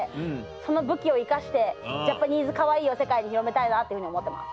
その武器を生かしてジャパニーズカワイイを世界に広めたいなっていうふうに思ってます。